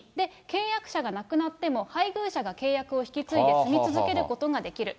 契約者が亡くなっても、配偶者が契約を引き継いで住み続けることができる。